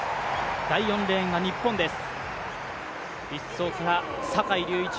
第４レーンが日本です。